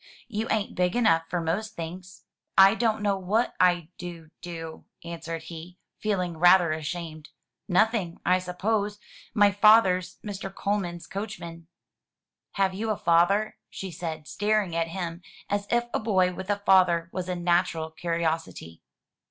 "You ain't big enough for most things." "I don't know what I do do," answered he, feeling rather ashamed. "Nothing, I suppose. My father's Mr. Coleman's coachman." "Have you a father?" she said, staring at him as if a boy with a father was a natural curiosity.